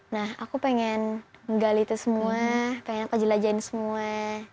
nah aku pengen gali itu semua pengen aku jelajahin semua